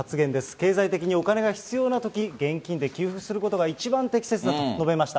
経済的にお金が必要なとき、現金で給付することが一番適切だと述べました。